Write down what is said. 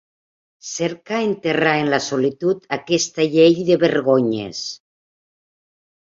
Cerca enterrar en la solitud aquesta llei de vergonyes.